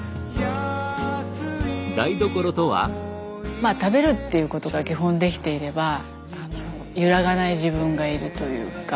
まあ食べるっていうことが基本できていれば揺らがない自分がいるというか。